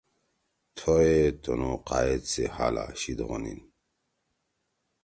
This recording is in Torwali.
تھوئے تُنُو قائد سی حالا شیِد ہونیِن